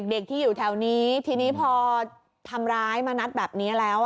เด็กที่อยู่แถวนี้ทีนี้พอทำร้ายมานัดแบบนี้แล้ว